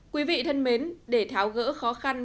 quý vị thân mến để tháo gỡ khó khăn